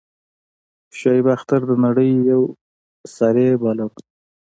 شعیب اختر د نړۍ یو سريع بالر وو.